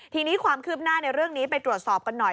ทีนี้ความคืบหน้าในเรื่องนี้ไปตรวจสอบกันหน่อย